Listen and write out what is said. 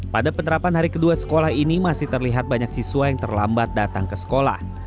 pada penerapan hari kedua sekolah ini masih terlihat banyak siswa yang terlambat datang ke sekolah